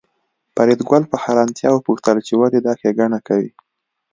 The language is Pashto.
فریدګل په حیرانتیا وپوښتل چې ولې دا ښېګڼه کوې